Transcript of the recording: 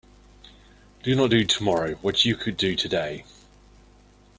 Do not do tomorrow what you could do today.